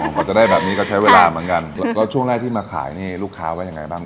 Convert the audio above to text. กว่าจะได้แบบนี้ก็ใช้เวลาเหมือนกันแล้วก็ช่วงแรกที่มาขายนี่ลูกค้าว่ายังไงบ้าง